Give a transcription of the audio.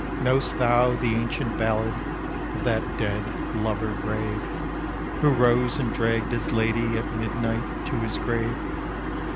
Know'st thou the ancient ballad Of that dead lover brave, Who rose and dragged his lady At midnight to his grave?